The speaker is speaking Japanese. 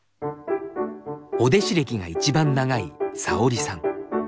お弟子歴が一番長いさおりさん。